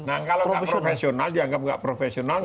nah kalau nggak profesional